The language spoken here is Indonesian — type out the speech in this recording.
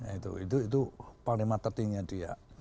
itu itu itu panglima tertingginya dia